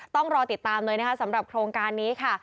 ต้องรอติดตามเลยนะคะสำหรับโครงการนี้ค่ะ